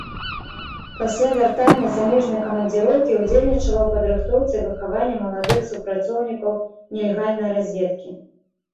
Пасля вяртання з замежнай камандзіроўкі ўдзельнічала ў падрыхтоўцы і выхаванні маладых супрацоўнікаў нелегальнай разведкі.